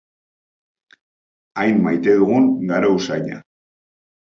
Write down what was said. Hain maite dugun garo usaina.